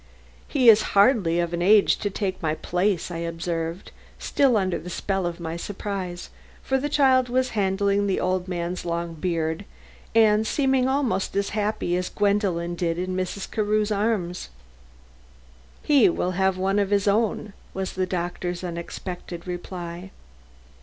"He is hardly of an age to take my place," I observed, still under the spell of my surprise, for the child was handling the old man's long beard, and seeming almost as happy as Gwendolen did in Mrs. Carew's arms. "He will have one of his own," was the doctor's unexpected reply.